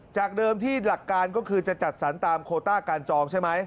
จากเดิมที่หลักการก็คือจะจัดสรรตามโคต้าการจองใช่ไหม